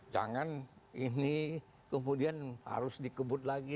jangan ini kemudian harus dikebut lagi